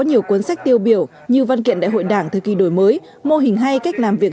nhiều cuốn sách tiêu biểu như văn kiện đại hội đảng thời kỳ đổi mới mô hình hay cách làm việc